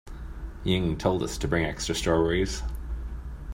Ying told us to bring extra strawberries.